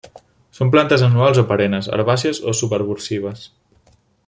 Són plantes anuals o perennes, herbàcies o subarbustives.